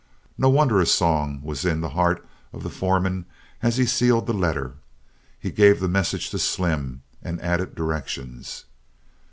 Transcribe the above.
No wonder a song was in the heart of the foreman as he sealed the letter. He gave the message to Slim, and added directions.